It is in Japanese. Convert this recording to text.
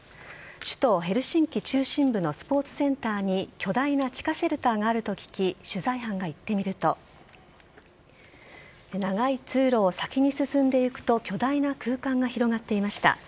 首都・ヘルシンキ中心部のスポーツセンターに巨大な地下シェルターがあると聞き取材班が行ってみると長い通路を先に進んでゆくと巨大な空間が広がっていました。